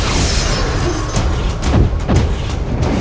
kau akan menang